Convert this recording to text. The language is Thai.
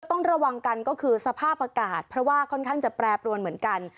ต้องระวังกันก็คือสภาพอากาศเพราะว่าค่อนข้างจะแปรปรวนเหมือนกัน